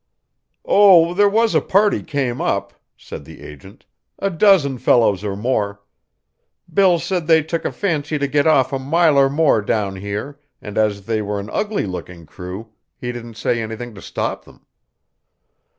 "Oh, there was a party came up," said the agent; "a dozen fellows or more. Bill said they took a fancy to get off a mile or more down here, and as they were an ugly looking crew he didn't say anything to stop them."